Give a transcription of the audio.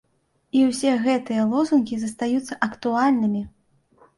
І ўсе гэтыя лозунгі застаюцца актуальнымі!